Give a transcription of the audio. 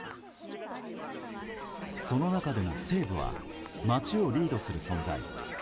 その中でも西武は街をリードする存在。